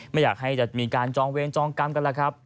ไม่อยากให้จะมีการจองเวรจองกรรมกันล่ะครับ